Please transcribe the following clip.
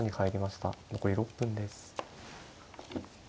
残り６分です。